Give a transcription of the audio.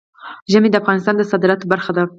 ژمی د افغانستان د صادراتو برخه ده.